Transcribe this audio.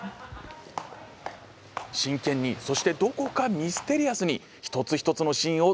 真剣にそしてどこかミステリアスに一つ一つのシーンを積み重ねています。